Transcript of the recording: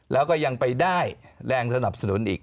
แล้วก็ยังไปได้แรงสนับสนุนอีก